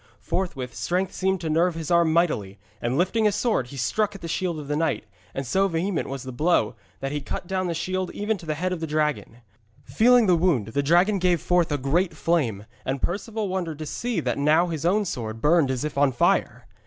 Forthwith strength seemed to nerve his arm mightily, and lifting his sword he struck at the shield of the knight, and so vehement was the blow that he cut down the shield even to the head of the dragon. Feeling the wound, the dragon gave forth a great flame, and Perceval wondered to see that now his own sword burned as if on fire.